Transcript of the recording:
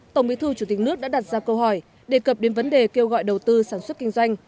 tổng bí thư chủ tịch nước đã đặt ra câu hỏi đề cập đến vấn đề kêu gọi đầu tư sản xuất kinh doanh